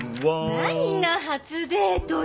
何が初デートよ！